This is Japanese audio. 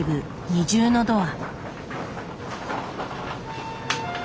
２重のドア。